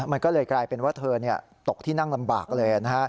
มันก็เลยกลายเป็นว่าเธอตกที่นั่งลำบากเลย